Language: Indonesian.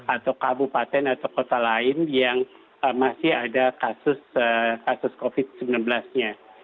atau kabupaten atau kota lain yang masih ada kasus covid sembilan belas nya